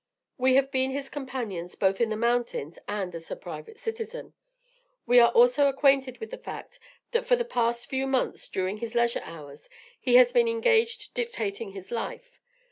We have been his companions both in the mountains and as a private citizen. We are also acquainted with the fact that for the past few months, during his leisure hours, he has been engaged dictating his life.